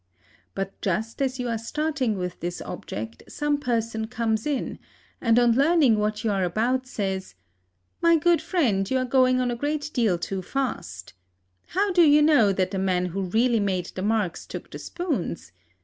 But just as you are starting with this object, some person comes in, and on learning what you are about, says, "My good friend, you are going on a great deal too fast. How do you know that the man who really made the marks took the spoons?